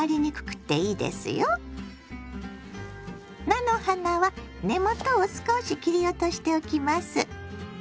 菜の花は根元を少し切り落としておきます。